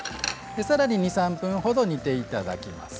さらに２、３分程煮ていただきます。